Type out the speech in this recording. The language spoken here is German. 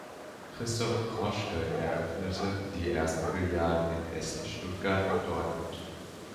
Christoph Kroschke eröffnete die ersten Filialen in Essen, Stuttgart und Dortmund.